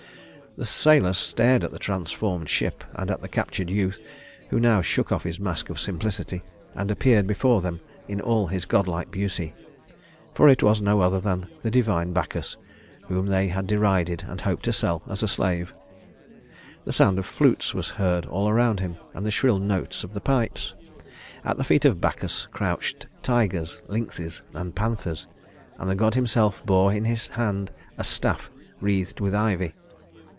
The sailors stared at the transformed ship and at the captured youth, who now shook off his mask of simplicity and appeared before them in all his godlike beauty for it was no other than the divine Bacchus whom they had derided and had hoped to sell as a slave. The sound of flutes was heard all around him, and the shrill notes of the pipes. At the feet of Bacchus crouched tigers, lynxes, and panthers, and the god himself bore in his hand a staff wreathed with ivy.